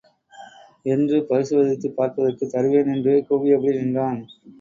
என்று பரிசோதித்துப் பார்ப்பதற்குத் தருவேன். என்று கூவியபடி நின்றான்.